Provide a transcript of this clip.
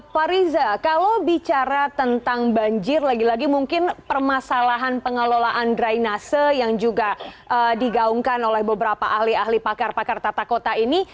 pak riza kalau bicara tentang banjir lagi lagi mungkin permasalahan pengelolaan drainase yang juga digaungkan oleh beberapa ahli ahli pakar pakar tata kota ini